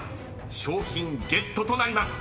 ［賞品ゲットとなります］